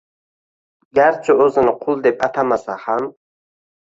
garchi o‘zini qul deb atamasa ham.